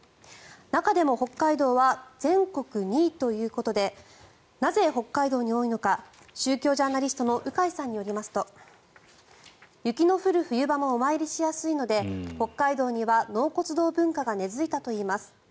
中でも北海道は全国２位ということでなぜ北海道に多いのか宗教ジャーナリストの鵜飼さんによりますと雪の降る冬場もお参りしやすいので北海道には納骨堂文化が根付いたといいます。